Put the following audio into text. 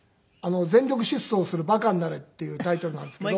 『全力疾走するバカになれ』っていうタイトルなんですけど。